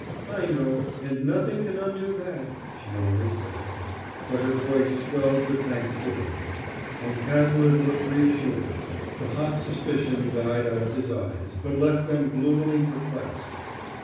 "I know. And nothing can undo that," she only said; but her voice swelled with thanksgiving. And Cazalet looked reassured; the hot suspicion died out of his eyes, but left them gloomily perplexed.